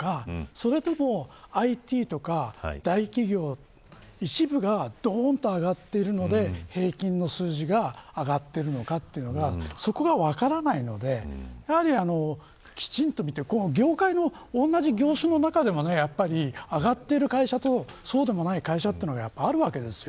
それともＩＴとか大企業の一部がどーんと上がっているので平均の数字が上がっているというのがそこが分からないのできちんと見て業界の同じ業種の中でも上がっている会社とそうでもない会社というのがあるわけですよ。